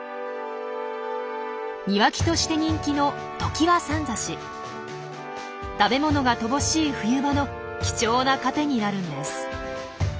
庭木として人気の食べ物が乏しい冬場の貴重な糧になるんです。